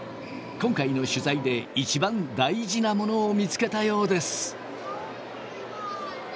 今回の取材で一番大事なものを見つけたようです。